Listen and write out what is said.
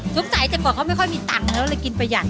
ตั้งแต่ก่อนเขาไม่ค่อยมีตังค์เราเลยกินประหยัด